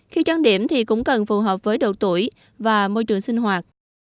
khi trang điểm thì cũng cần phù hợp với độ tuổi và môi trường sinh hoạt